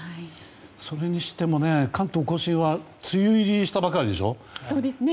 それにしても、関東・甲信は梅雨入りしたばかりでしょ。